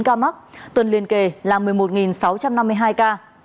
bảy ba mươi chín ca mắc tuần liên kề là một mươi một sáu trăm năm mươi hai ca